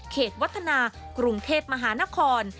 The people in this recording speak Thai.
วัฒนากรุงเทพมหานคร